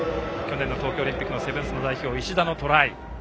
去年の東京オリンピックのセブンス代表、石田のトライ。